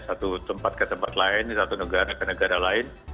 satu tempat ke tempat lain satu negara ke negara lain